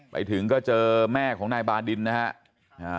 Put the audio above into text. ไปถึงก็เจอแม่ของนายบาดินนะครับ